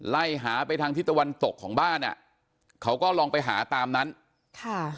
ไล่หาไปทางที่ตะวันตกของบ้านอ่ะเขาก็ลองไปหาตามนั้นค่ะ